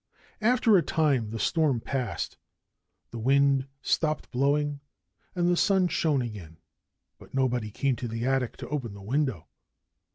After a time the storm passed. The wind stopped blowing. And the sun shone again. But nobody came to the attic to open the window.